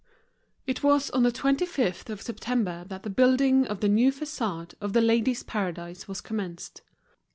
It was on the 25th of September that the building of the new façade of The Ladies' Paradise was commenced.